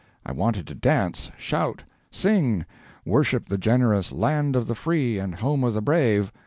I wanted to dance, shout, sing, worship the generous Land of the Free and Home of the Brave.